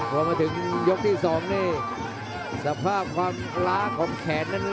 พอมาถึงยกที่๒นี่สภาพความล้าของแขนนั้น